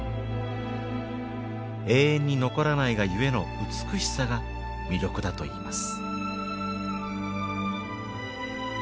永遠に残らないがゆえの美しさが魅力だといいます。